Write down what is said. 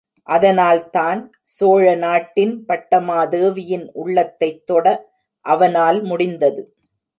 அதனால்தான், சோழநாட்டின் பட்டமாதேவியின் உள்ளத்தைத் தொட அவனால் முடிந்தது.